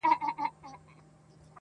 تر رمې ئې سپي ډېر دي.